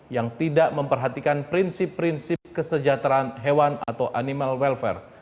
yang tidak memperhatikan prinsip prinsip kesejahteraan hewan atau animal welfare